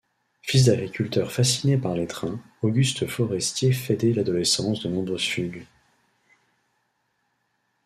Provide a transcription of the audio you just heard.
Fils d'agriculteur fasciné par les trains, Auguste Forestier fait dès l'adolescence de nombreuses fugues.